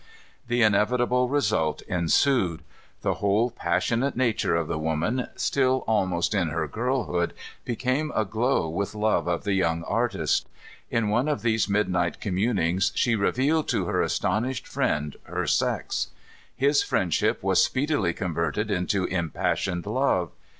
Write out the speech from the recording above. The inevitable result ensued. The whole passionate nature of the woman, still almost in her girlhood, became aglow with love of the young artist. In one of these midnight communings she revealed to her astonished friend her sex. His friendship was speedily converted into impassioned love.